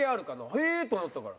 「へえ」と思ったから。